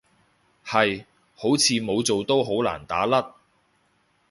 係，好似冇做都好難打甩